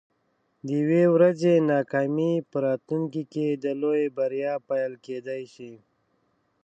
د یوې ورځې ناکامي په راتلونکي کې د لویې بریا پیل کیدی شي.